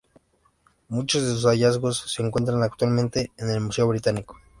Muchos de sus hallazgos se encuentran actualmente en el Museo Británico.